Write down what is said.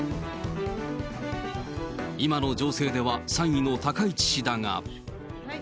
今の情勢では、３位の高市氏だが。